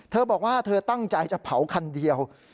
เธอบอกว่าเธอตั้งใจจะเผาคันเดียว